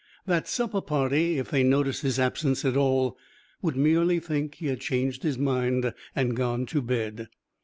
That supper party, if they noticed his absence at all, would merely think he had changed his mind and gone to bed.